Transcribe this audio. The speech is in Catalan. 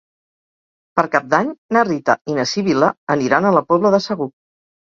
Per Cap d'Any na Rita i na Sibil·la aniran a la Pobla de Segur.